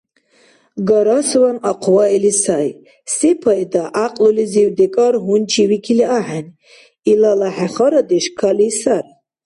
Гарасван ахъваили сай, сепайда, гӀякьлулизив-декӀар гьунчивикили ахӀен. Илала хӀехарадеш кали сари.